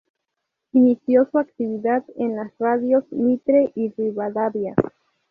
Inició su actividad en las radios Mitre y Rivadavia.